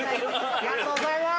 ◆ありがとうございます。